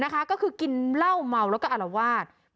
ก็คือกินเหล้าเมาแล้วก็อารวาส